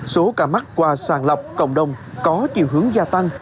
số ca mắc qua sàng lọc cộng đồng có chiều hướng gia tăng